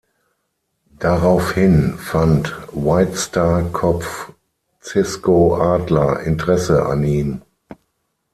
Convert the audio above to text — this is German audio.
Daraufhin fand Whitestarr-Kopf Cisco Adler Interesse an ihm.